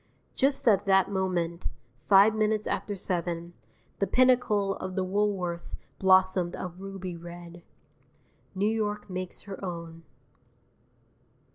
Just at that moment five minutes after seven the pinnacle of the Woolworth blossomed a ruby red. New York makes her own.